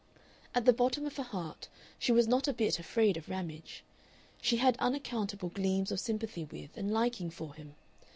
At the bottom of her heart she was not a bit afraid of Ramage. She had unaccountable gleams of sympathy with and liking for him.